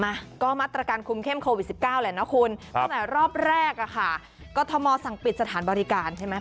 มาก็มาตรการคุมเข้มโควิดสิบเก้าแหละนะคุณตั้งแต่รอบแรกอ่ะค่ะกรทมสั่งปิดสถานบริการใช่ไหม